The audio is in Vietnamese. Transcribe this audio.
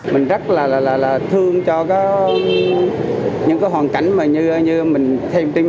mình rất là thương cho những hoàn cảnh